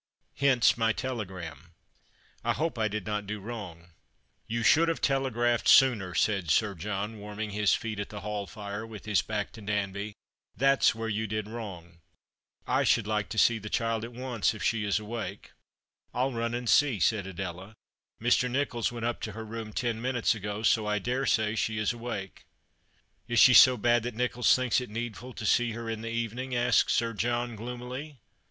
Hence my telegram. I hope I did not do wrong." "You should have telegraphed sooner," said Sir John, warming his feet at the hall fire, with his back to Danby, " that's where you did Avroug. I should like to see the child at once, if she is awake." "I'll run and see," said Adela. "j\Ir. Kicholls went up to her room ten minutes ago, so I dare say she is awake." The Christmas Hirelings. 251 " Is she so bad that NichoUs thinks it needful to see her in the evening ?" asked Sir John, gloomily.